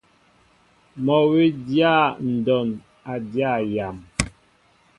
Mol wi dya ndɔn a dya yam.